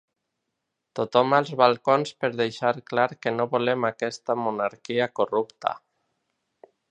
Tothom als balcons per deixar clar que no volem aquesta monarquia corrupta.